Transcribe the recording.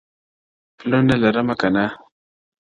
• پلونه لرمه کنه؟ ,